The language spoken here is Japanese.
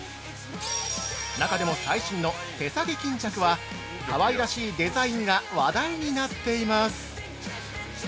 中でも最新の手提げ巾着はかわいらしいデザインが話題になっています。